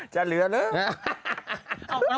จะเหลือนะ